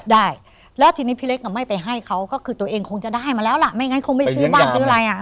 ได้แล้วทีนี้พี่เล็กอ่ะไม่ไปให้เขาก็คือตัวเองคงจะได้มาแล้วล่ะไม่งั้นคงไม่ซื้อบ้านซื้ออะไรอ่ะ